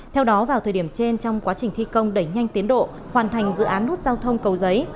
theo đó vào thời điểm trên trong quá trình thi công đẩy nhanh tiến độ hoàn thành dự án nút giao thông cầu giấy